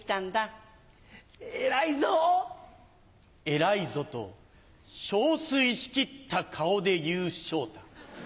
偉いぞと憔悴しきった顔で言う昇太。